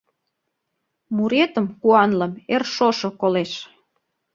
Муретым, куанлым, эр шошо колеш.